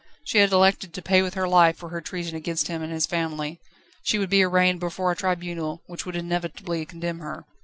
She had elected to pay with her life for her treason against him and his family. She would be arraigned before a tribunal which would inevitably condemn her.